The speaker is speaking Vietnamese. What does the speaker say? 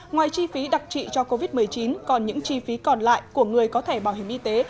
ngoài chi phí đặc trị cho covid một mươi chín còn những chi phí còn lại của người có thẻ bảo hiểm y tế